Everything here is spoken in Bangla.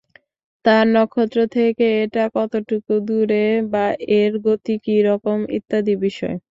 তার নক্ষত্র থেকে এটা কতটুকু দূরে, বা এর গতি কীরকম ইত্যাদি বিষয়।